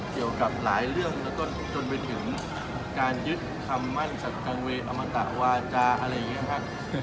เกี่ยวกับหลายเรื่องแล้วก็จนไปถึงการยึดคำมั่นสัตว์กังเวรอมตะวาจาอะไรอย่างนี้ครับ